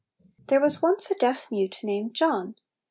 THERE was once a deaf mute, named John.